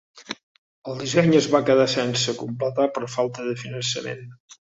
El disseny es va quedar sense completar per falta de finançament.